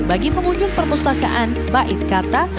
bagi pengunjung perpustakaan bait kata